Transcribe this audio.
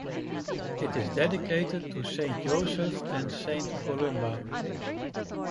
It is dedicated to Saint Joseph and Saint Columba.